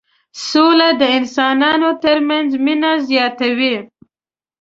سوله د انسانانو ترمنځ مينه زياتوي.